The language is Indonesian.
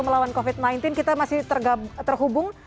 melawan covid sembilan belas kita masih terhubung